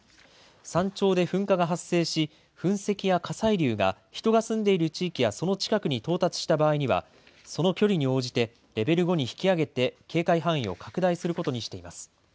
山頂で噴火が発生し噴石や火砕流が人が住んでいる地域やその近くに到達した場合にはその距離に応じてレベル５に引き上げて警戒範囲を拡大することにしています。